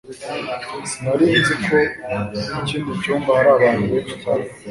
Sinari nzi ko mu kindi cyumba hari abantu benshi cyane